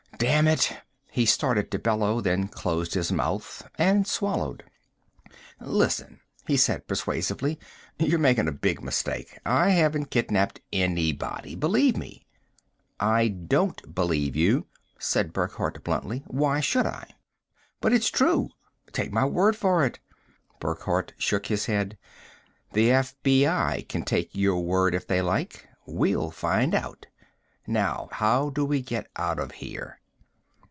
"Damn it " he started to bellow, then closed his mouth and swallowed. "Listen," he said persuasively, "you're making a big mistake. I haven't kidnapped anybody, believe me!" "I don't believe you," said Burckhardt bluntly. "Why should I?" "But it's true! Take my word for it!" Burckhardt shook his head. "The FBI can take your word if they like. We'll find out. Now how do we get out of here?"